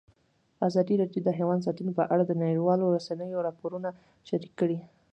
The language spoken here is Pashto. ازادي راډیو د حیوان ساتنه په اړه د نړیوالو رسنیو راپورونه شریک کړي.